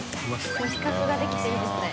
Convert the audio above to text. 本田）比較ができていいですね。